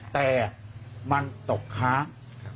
แต่มันตกค้าง